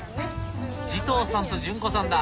慈瞳さんと潤子さんだ。